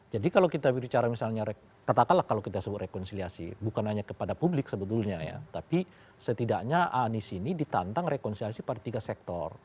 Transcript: jadi kalau kita bicara misalnya katakanlah kalau kita sebut rekonsiliasi bukan hanya kepada publik sebetulnya ya tapi setidaknya anis ini ditantang rekonsiliasi pada tiga sektor